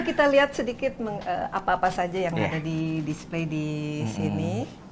kita lihat sedikit apa apa saja yang ada di display di sini